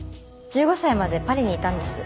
１５歳までパリにいたんです。